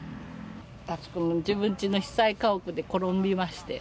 あそこ自分ちの被災家屋で転びまして。